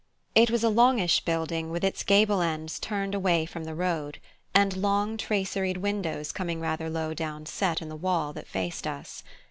It was a longish building with its gable ends turned away from the road, and long traceried windows coming rather low down set in the wall that faced us.